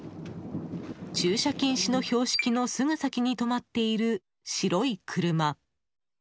駐車禁止の標識のすぐ先に止まっている白い車。